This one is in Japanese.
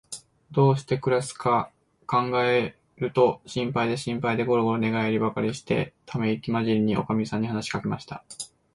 どうしてくらすかかんがえると、心配で心配で、ごろごろ寝がえりばかりして、ためいきまじりに、おかみさんに話しかけました。